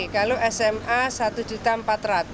kalau sma rp satu empat ratus